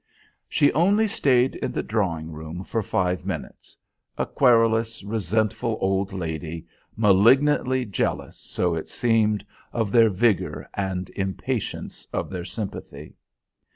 She only stayed in the drawing room for five minutes; a querulous, resentful old lady, malignantly jealous, so it seemed, of their vigour and impatient of their sympathy.